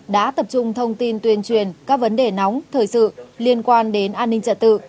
đã tập trung thông tin tuyên truyền các vấn đề nóng thời sự liên quan đến an ninh trật tự